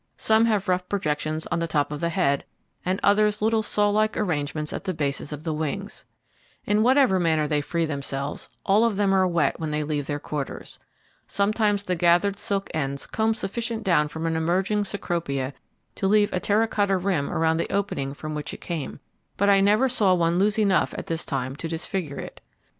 Some have rough projections on the top of the head, and others little sawlike arrangements at the bases of the wings. In whatever manner they free themselves, all of them are wet when they leave their quarters. Sometimes the gathered silk ends comb sufficient down from an emerging Cecropia to leave a terra cotta rim around the opening from which it came; but I never saw one lose enough at this time to disfigure it.